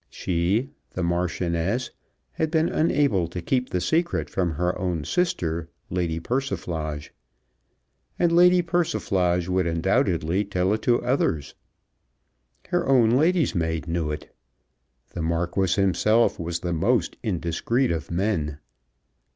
She, the Marchioness, had been unable to keep the secret from her own sister, Lady Persiflage, and Lady Persiflage would undoubtedly tell it to others. Her own lady's maid knew it. The Marquis himself was the most indiscreet of men.